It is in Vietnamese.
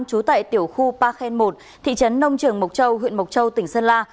chú tại tiểu khu parkhen một thị trấn nông trường mộc châu huyện mộc châu tỉnh sơn la